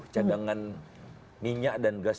cadangan minyak dan gas